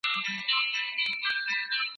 ولس غواړي چې خپل حقونه ترلاسه کړي.